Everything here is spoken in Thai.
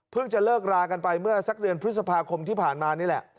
จะเลิกรากันไปเมื่อสักเดือนพฤษภาคมที่ผ่านมานี่แหละ